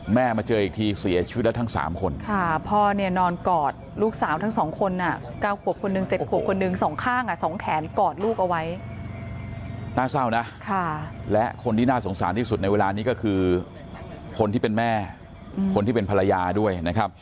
แม่มาเจออีกทีเสียชไปแล้วทั้ง๓คน